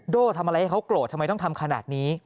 ทำอะไรให้เขาโกรธทำไมต้องทำขนาดนี้